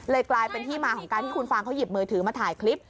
กลายเป็นที่มาของการที่คุณฟางเขาหยิบมือถือมาถ่ายคลิป